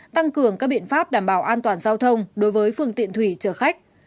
tăng cường các biện pháp đảm bảo an toàn giao thông đối với phương tiện thủy chở khách